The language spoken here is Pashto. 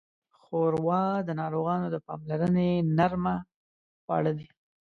ښوروا د ناروغانو د پاملرنې نرمه خواړه ده.